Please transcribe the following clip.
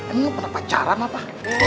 ini lo pernah pacaran apa